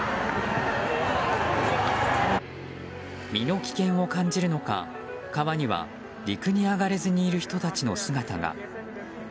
身の危険を感じるのか川には、陸に上がれずにいる人たちの姿が。